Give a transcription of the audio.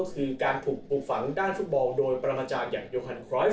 คือการปลูกฝังด้านฟุตบอลโดยปรากฎาจาคอย่างโยฮันด์โคไลฟ์